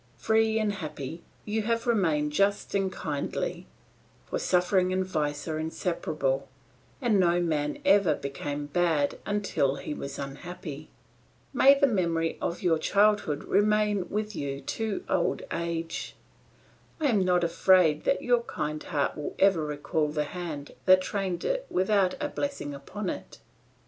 Free and happy, you have remained just and kindly; for suffering and vice are inseparable, and no man ever became bad until he was unhappy. May the memory of your childhood remain with you to old age! I am not afraid that your kind heart will ever recall the hand that trained it without a blessing upon it.